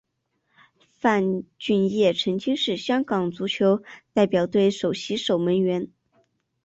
范俊业曾经是香港足球代表队首席守门员。